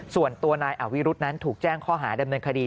ส่วนตัวนายอวิรุธนั้นถูกแจ้งข้อหาดำเนินคดี